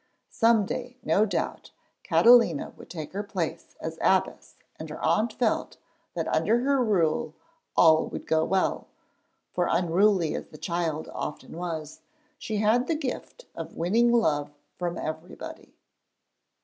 Some day, no doubt, Catalina would take her place as abbess, and her aunt felt that under her rule all would go well, for unruly as the child often was, she had the gift of winning love from everybody.